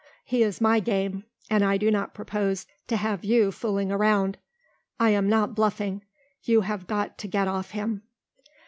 He is my game and I do not propose to have you fooling around. I am not bluffing. You have got to get off him."